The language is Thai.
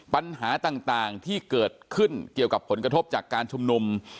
ปัญหาต่างที่เกิดขึ้นเกี่ยวกับผลกระทบจากการชุมนุม